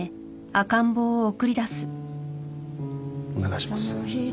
お願いします。